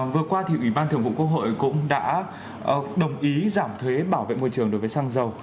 vừa qua thì ủy ban thường vụ quốc hội cũng đã đồng ý giảm thuế bảo vệ môi trường đối với xăng dầu